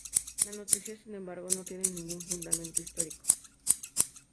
La noticia sin embargo, no tiene ningún fundamento histórico.